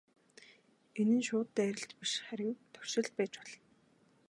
Энэ нь шууд дайралт биш харин туршилт байж болно.